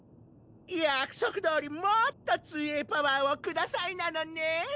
約束どおりもっとＴＵＥＥＥパワーをくださいなのねん！